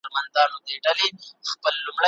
که خلګ يو بل ته احترام وکړي، سوله ټينګېږي.